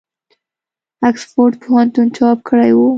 آکسفورډ پوهنتون چاپ کړی وو.